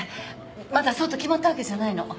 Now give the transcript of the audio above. まだそうと決まったわけじゃないの。